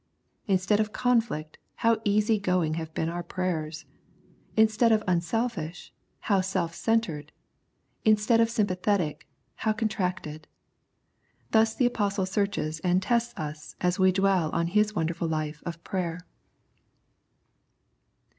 Instead of conflict, how easy going have been our prayers ! Instead of unselfish, how self centred, instead of sympathetic, how contracted ! Thus the Apostle searches and tests us as we dwell on his wonderful life of prayer.